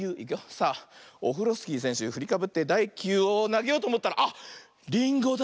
さあオフロスキーせんしゅふりかぶってだい１きゅうをなげようとおもったらあっリンゴだ。